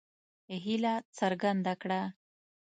هیله څرګنده کړه.